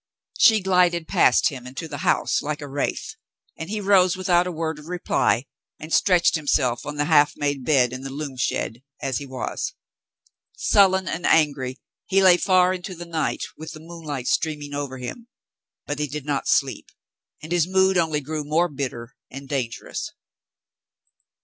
She glided past him into the house like a wraith, and he rose without a word of reply and stretched himself on the half made bed in the loom shed, as he was. Sullen and angry, he lay far into the night with the moonlight streaming over him, but he did not sleep, and his mood only grew more bitter and dangerous.